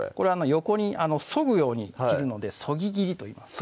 横にそぐように切るのでそぎ切りといいます